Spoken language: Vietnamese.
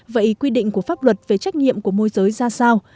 vậy quy định của pháp luật về trách nhiệm của môi giới ra sao